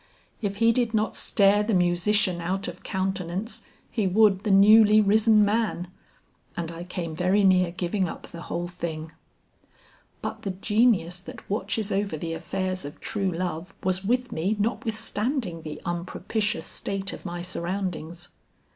"If he did not stare the musician out of countenance he would the newly risen man." And I came very near giving up the whole thing. But the genius that watches over the affairs of true love was with me notwithstanding the unpropitious state of my surroundings.